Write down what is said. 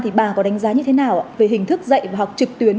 thì bà có đánh giá như thế nào về hình thức dạy và học trực tuyến